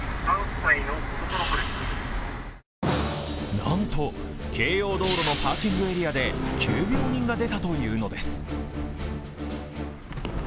なんと京葉道路のパーキングエリアで急病人が出たというのです。